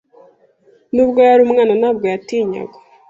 Nubwo yari umwana, ntabwo yatinyaga.